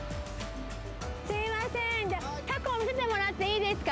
すみませんたこを見せてもらっていいですか？